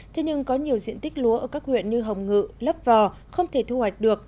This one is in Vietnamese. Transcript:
thế nhưng có nhiều diện tích lúa ở các huyện như hồng ngự lấp vò không thể thu hoạch được